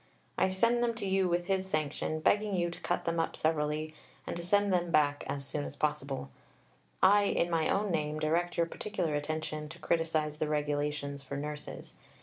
I send them to you with his sanction, begging you to cut them up severely, and to send them back as soon as possible. I, in my own name, direct your particular attention to criticize the Regulations for Nurses.